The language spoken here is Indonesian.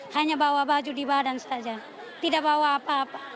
hanya bawa baju di badan saja tidak bawa apa apa